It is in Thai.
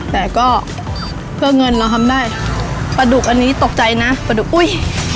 แต่ก็เพื่อเงินเราทำได้ปลาดุกอันนี้ตกใจนะปลาดุกอุ้ย